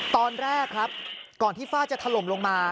ตอนแรกครับก่อนที่ฝ้าจะถล่มลงมา